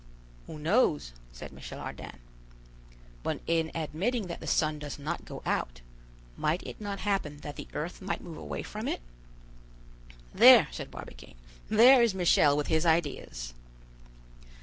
"Who knows?" said Michel Ardan. "But, in admitting that the sun does not go out, might it not happen that the earth might move away from it?" "There!" said Barbicane, "there is Michel with his ideas."